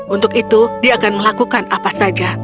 untuk itu dia akan melakukan apa saja